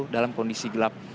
dalam kondisi gelap